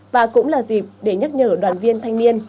và cũng là dịp để nhắc nhở đoàn viên thanh niên